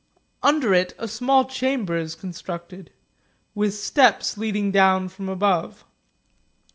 Under it a small chamber is con structed, with steps leading down from above.